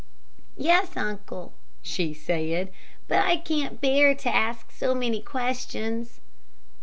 "Yes, uncle," she said; "but I can't bear to ask so many questions."